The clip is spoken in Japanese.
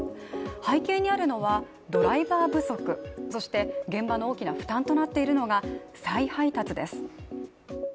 背景にあるのはドライバー不足、そして現場の大きな負担となっているのが再配達です。